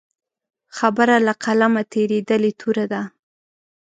خبره له قلمه تېرېدلې توره ده.